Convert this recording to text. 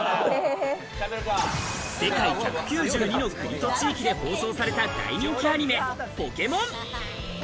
世界１９２の国と地域で放送された大人気アニメ、ポケモン。